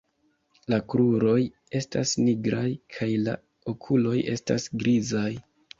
La kruroj estas nigraj kaj la okuloj estas grizaj.